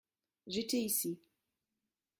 J’étais ici.